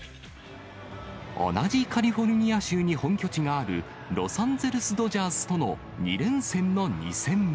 同じカリフォルニア州に本拠地があるロサンゼルスドジャースとの２連戦の２戦目。